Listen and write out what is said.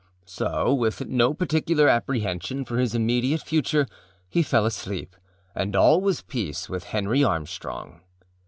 So, with no particular apprehension for his immediate future, he fell asleep and all was peace with Henry Armstrong.